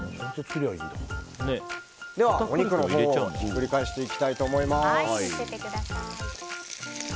では、お肉のほうをひっくり返していきたいと思います。